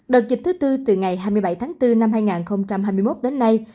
đợt dịch thứ tư từ ngày hai mươi bảy tháng bốn năm hai nghìn hai mươi một đến nay